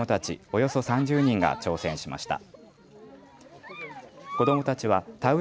およそ３０人が挑戦しました。